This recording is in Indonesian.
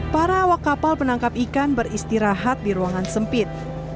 para awak kapal penangkap ikan beristirahat di ruangan sempit